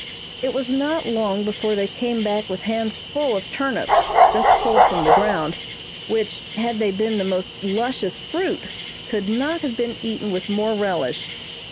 It was not long before they came back with hands full of turnips, just pulled from the ground, which, had they been the most luscious fruit, could not have been eaten with more relish.